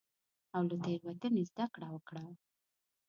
او له تېروتنې زدکړه وکړه.